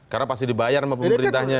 karena pasti dibayar pemerintahnya